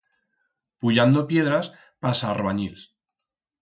Puyando piedras pa's arbanyils.